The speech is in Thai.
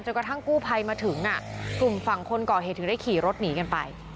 กระทั่งกู้ภัยมาถึงกลุ่มฝั่งคนก่อเหตุถึงได้ขี่รถหนีกันไป